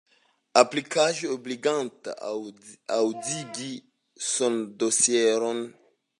Aplikaĵo ebliganta aŭdigi sondosieron.